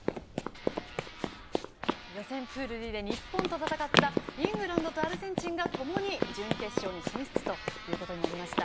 予選プールＢで日本と戦ったイングランドとアルゼンチンがともに準決勝に進出となりました。